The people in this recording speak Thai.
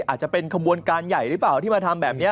อาจจะเป็นขบวนการใหญ่หรือเปล่าที่มาทำแบบนี้